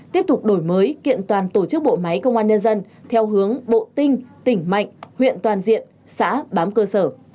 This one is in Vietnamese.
tiếp tục đổi mới kiện toàn tổ chức bộ máy công an nhân dân theo hướng bộ tinh tỉnh mạnh huyện toàn diện xã bám cơ sở